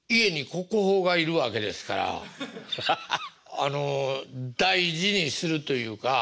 あの大事にするというか。